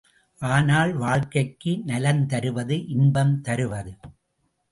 ஆனால் வாழ்க்கைக்கு நலம் தருவது இன்பம் தருவது.